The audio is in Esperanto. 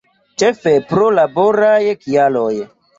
Ĉefe pro laboraj kialoj.